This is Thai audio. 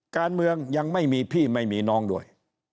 การเมืองยังไม่มีพี่ไม่มีน้องด้วย